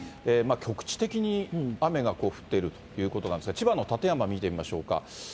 局地的に雨が降っているということなんですが、千葉の館山見てみましょうか。